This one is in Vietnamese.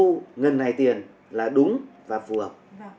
thu ngân này tiền là đúng và phù hợp